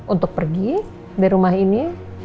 untuk pergi di rumah ini